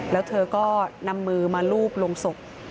แล้วเธอก็นำมือมาลูบลงศพ